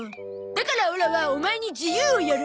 だからオラはオマエに自由をやる。